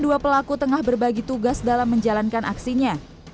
dua pelaku tengah berbagi tugas dalam menjalankan aksinya